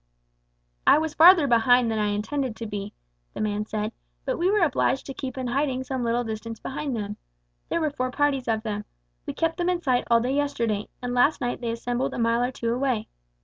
"I was farther behind than I intended to be," the man said; "but we were obliged to keep in hiding some little distance behind them. There were four parties of them. We kept them in sight all yesterday, and last night they assembled a mile or two away.